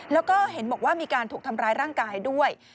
แล้วก็เห็นบอกว่ามีการถูกทำร้ายร่างกายด้วย